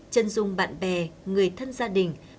chân dung bạn bè người thân gia đình